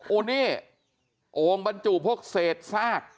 โอ้นี่โอ่งบรรจุพวกเศษซาก